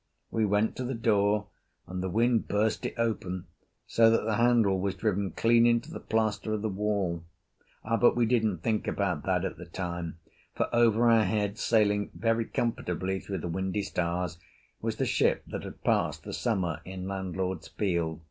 We went to the door, and the wind burst it open so that the handle was driven clean into the plaster of the wall. But we didn't think about that at the time; for over our heads, sailing very comfortably through the windy stars, was the ship that had passed the summer in landlord's field.